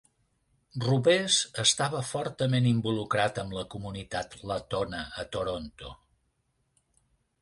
Rubess estava fortament involucrat amb la comunitat letona a Toronto.